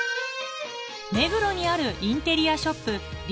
目黒にあるインテリアショップ